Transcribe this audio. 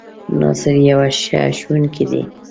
ناصر يو ښۀ ښوونکی دی